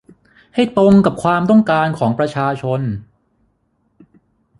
ให้ตรงกับความต้องการของประชาชน